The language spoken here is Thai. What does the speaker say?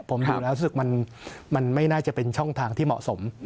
ผมดูแล้วรู้สึกมันไม่น่าจะเป็นช่องทางที่เหมาะสม